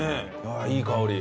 いい香り。